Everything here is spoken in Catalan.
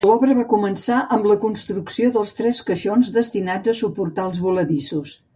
L'obra va començar amb la construcció dels tres caixons destinats a suportar els voladissos.